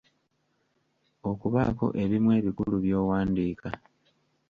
Okubaako ebimu ebikulu by'owandika